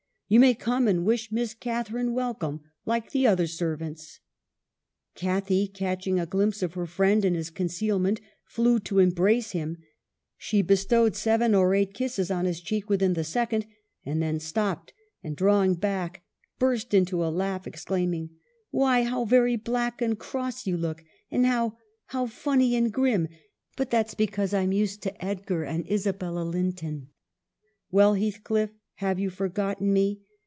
' You may come and wish Miss Catharine welcome, like the other servants.' Cathy, catching a glimpse of her friend in his concealment, flew to embrace him, she bestowed seven or eight kisses on his cheek within the second, and then stopped, and, drawing back, burst into a laugh, exclaiming :' Why, how very black and cross you look ! and how — how funny and grim ! But that's because I'm used to Edgar and Isa bella Linton.' "'Well, Heathcliff, have you forgotten me?